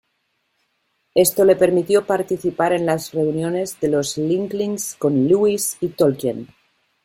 Esto le permitió participar en las reuniones de los "Inklings" con Lewis y Tolkien.